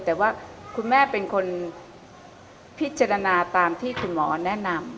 แต่ว่าคุณแม่เป็นคนพิจารณาตามที่คุณหมอแนะนำ